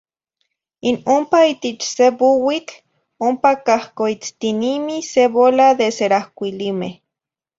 In ompa itich se buuitl, ompa cahcoitztinimi se bola de serahocuilimeh.